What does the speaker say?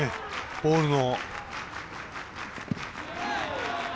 ボールの。